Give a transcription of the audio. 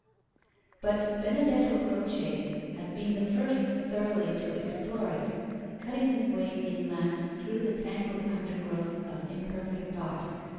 But Benedetto Croce has been the first thoroughly to explore it, cutting his way inland through the tangled undergrowth of imperfect thought.